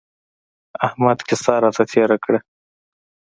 احمد کيسه راته تېره کړه.